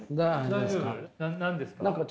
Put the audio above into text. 何ですか？